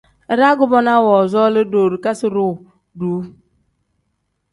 Iraa kubonaa woozooli doorikasi-ro duuu.